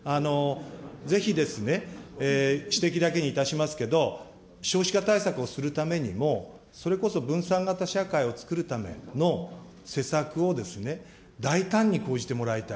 ぜひですね、指摘だけにいたしますけど、少子化対策をするためにも、それこそ分散型社会をつくるための施策をですね、大胆に講じてもらいたい。